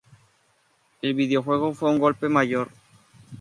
El videojuego fue un golpe mayor.